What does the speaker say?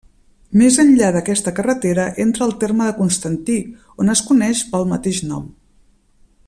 Més enllà d'aquesta carretera entra al terme de Constantí, on es coneix pel mateix nom.